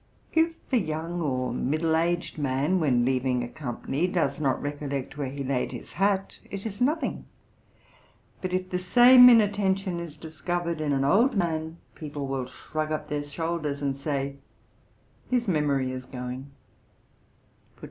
If a young or middle aged man, when leaving a company, does not recollect where he laid his hat, it is nothing; but if the same inattention is discovered in an old man, people will shrug up their shoulders, and say, 'His memory is going.'